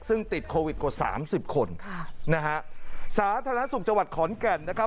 ซึ่งติดโควิดกว่าสามสิบคนค่ะนะฮะสาธารณสุขจังหวัดขอนแก่นนะครับ